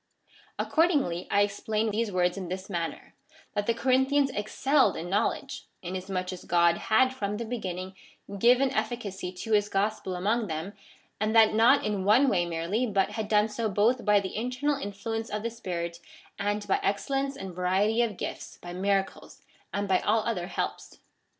Accordingly, 1 explain these words in this manner — that the Corinthians excelled in knowledge, inasmuch as God had from the be ginning given efficacy to his gospel among them, and that not in one way merely, but had done so both by the internal influence of the Spirit, and by excellence and variety of gifts, by miracles, and by all other helps.